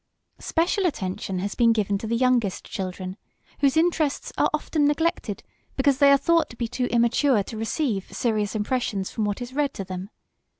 Special attention has been given to the youngest children whose interests are often neglected because they are thought to be too immature to receive serious impressions from what is read to them.